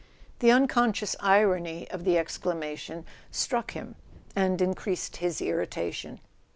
The unconscious irony of the exclamation struck him, and increased his irritation.